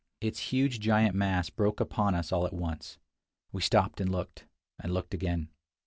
Its huge giant mass broke upon us all at once. We stopped and looked — and looked again.